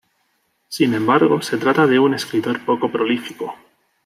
Sin embargo, se trata de un escritor poco prolífico.